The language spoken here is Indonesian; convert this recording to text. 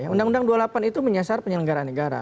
undang undang dua puluh delapan itu menyasar penyelenggara negara